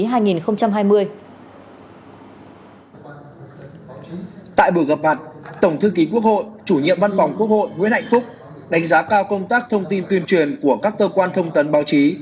tại buổi gặp mặt tổng thư ký quốc hội chủ nhiệm văn phòng quốc hội nguyễn hạnh phúc đánh giá cao công tác thông tin tuyên truyền của các cơ quan thông tấn báo chí